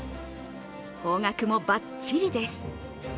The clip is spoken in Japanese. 方角もばっちりです。